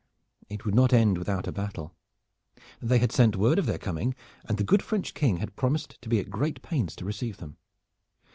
It would not end without a battle. They had sent word of their coming, and the good French King had promised to be at great pains to receive them.